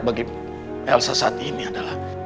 bagi elsa saat ini adalah